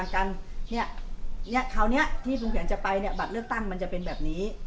คราวนี้ที่ลุงแผนจะไปเนี่ยบัตรเลือกตั้งมันจะเป็นแบบนี้